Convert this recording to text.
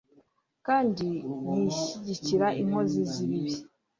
kandi ntishyigikira inkozi z'ibibi